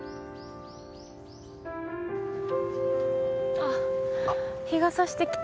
あっ日が差してきた。